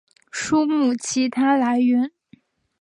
书目其它来源